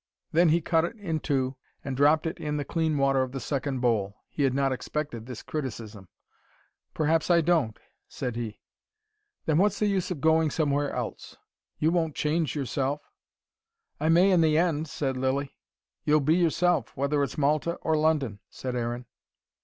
Then he cut it in two, and dropped it in the clean water of the second bowl. He had not expected this criticism. "Perhaps I don't," said he. "Then what's the use of going somewhere else? You won't change yourself." "I may in the end," said Lilly. "You'll be yourself, whether it's Malta or London," said Aaron.